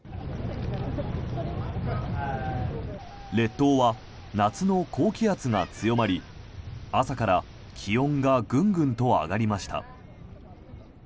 列島は夏の高気圧が強まり朝から気温がグングンと上がりました。